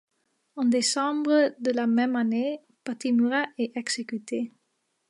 En décembre de la même année, Pattimura est exécuté.